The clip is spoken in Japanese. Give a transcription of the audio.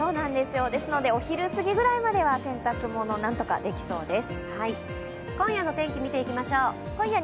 ですのでお昼すぎぐらいまでは洗濯物、何とかできそうです。